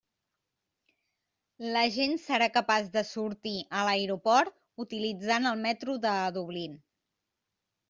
La gent serà capaç de sortir a l'aeroport utilitzant el metro de Dublín.